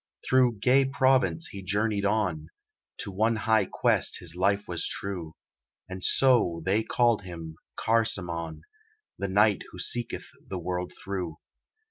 Through gay Provence he journeyed on; To one high quest his life was true, And so they called him Carçamon The knight who seeketh the world through.